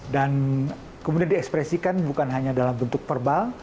dan kemudian diekspresikan bukan hanya dalam bentuk verbal